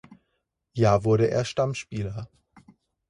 Jahr wurde er Stammspieler.